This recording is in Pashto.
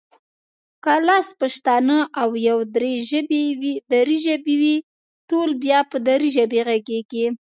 که لس پښتانه او يو دري ژبی وي ټول بیا په دري غږېږي